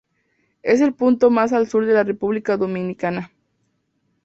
Es el punto más al Sur de la República Dominicana.